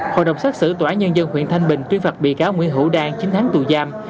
hội đồng xác xử tòa án nhân dân huyện thanh bình tuyên phạt bị cáo nguyễn hữu đang chín tháng tù giam